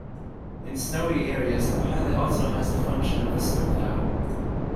In snowy areas the pilot also has the function of a snowplow.